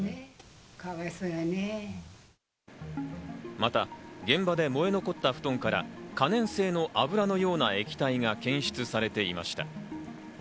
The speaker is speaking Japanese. また現場で燃え残った布団から可燃性の油のような液体が検出されていました。